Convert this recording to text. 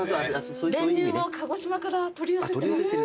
練乳を鹿児島から取り寄せてます。